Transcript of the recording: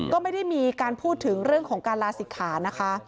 ก็ไม่ได้มีการพูดถึงเรื่องของการลาศิกขานะคะ